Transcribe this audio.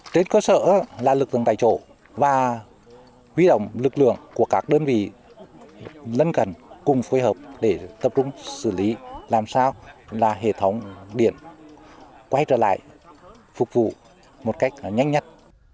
trên cơ sở là lực lượng tại chỗ và huy động lực lượng của các đơn vị lân cần cùng phối hợp để tập trung xử lý làm sao là hệ thống điện quay trở lại phục vụ một cách nhanh nhất